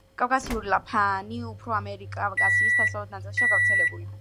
კავკასიური ლაფანი უფრო ამიერკავკასიის დასავლეთ ნაწილშია გავრცელებული.